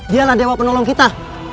dialah dewa penolong kita